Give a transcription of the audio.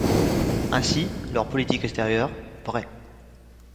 Ainsi, leur politique extérieure, vrai !